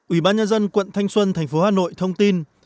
ủy ban nhân dân quận thanh xuân thành phố hà nội thông tin